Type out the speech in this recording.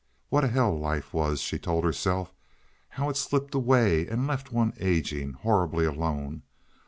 What a hell life was, she told herself. How it slipped away and left one aging, horribly alone!